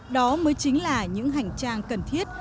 đó mới chính là những hành trang cần thiết